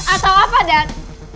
atau apa dad